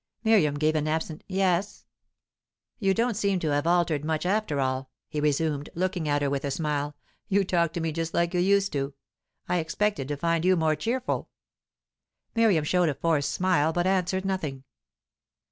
Miriam gave an absent "Yes." "You don't seem to have altered much, after all," he resumed, looking at her with a smile. "You talk to me just like you used to. I expected to find you more cheerful." Miriam showed a forced smile, but answered nothing.